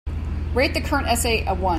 rate the current essay a one